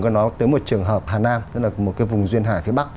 có nói tới một trường hợp hà nam tức là một cái vùng duyên hải phía bắc